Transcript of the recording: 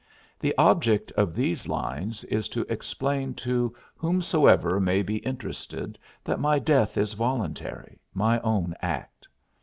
The object of these lines is to explain to whomsoever may be interested that my death is voluntary my own act.